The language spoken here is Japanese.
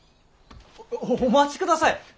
おお待ちください。